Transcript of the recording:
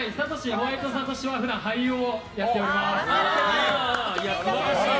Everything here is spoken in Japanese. ホワイトのさとしは普段、俳優をやっております。